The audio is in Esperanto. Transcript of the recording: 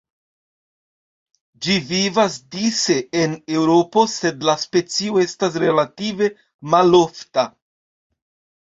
Ĝi vivas dise en Eŭropo, sed la specio estas relative malofta.